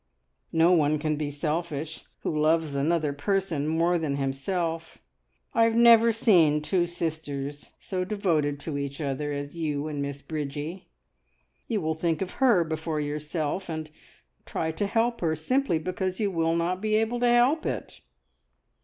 "No one can be selfish who loves another person more than himself. I have never seen two sisters so devoted to each other as you and Miss Bridgie. You will think of her before yourself, and try to help her, simply because you will not be able to help it!"